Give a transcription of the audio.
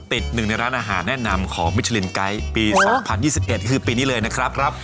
หนึ่งในร้านอาหารแนะนำของมิชลินไกด์ปี๒๐๒๑ก็คือปีนี้เลยนะครับ